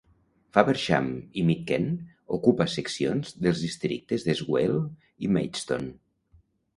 Faversham i Mid Kent ocupa seccions dels districtes de Swale i Maidstone.